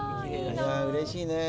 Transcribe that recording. うれしいね。